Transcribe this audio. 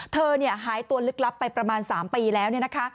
หายตัวลึกลับไปประมาณ๓ปีแล้ว